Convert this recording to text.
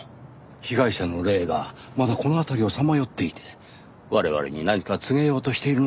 被害者の霊がまだこの辺りをさまよっていて我々に何か告げようとしているのかもしれません。